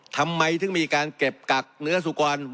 ทำไมถึงมีการเก็บกักเนื้อสุกร